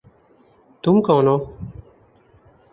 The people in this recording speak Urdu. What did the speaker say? تم کون ہو؟